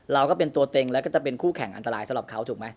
เราก็เป็นตัวเต็งแล้วก็จะเป็นคู่แข่งอันตรายสำหรับเขาถูกไหม